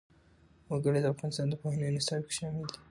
وګړي د افغانستان د پوهنې نصاب کې شامل دي.